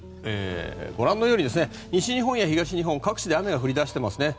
ご覧のように西日本や東日本各地で雨が降り出していますね。